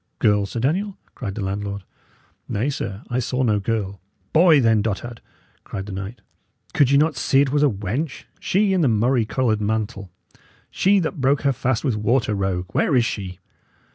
"Girl, Sir Daniel?" cried the landlord. "Nay, sir, I saw no girl." "Boy, then, dotard!" cried the knight. "Could ye not see it was a wench? She in the murrey coloured mantle she that broke her fast with water, rogue where is she?"